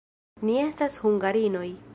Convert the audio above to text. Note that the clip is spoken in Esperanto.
Ni estas hungarinoj.